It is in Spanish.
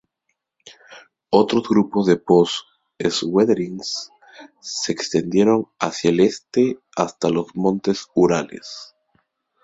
Otros grupos de post-swiderienses se extendieron hacia el este hasta los montes Urales.